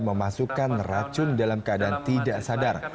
memasukkan racun dalam keadaan tidak sadar